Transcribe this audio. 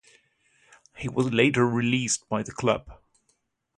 He was later released by the club.